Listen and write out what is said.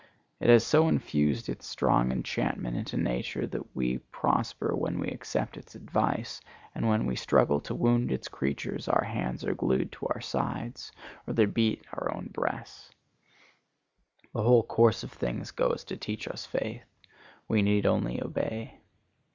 It has so infused its strong enchantment into nature that we prosper when we accept its advice, and when we struggle to wound its creatures our hands are glued to our sides, or they beat our own breasts. The whole course of things goes to teach us faith. We need only obey.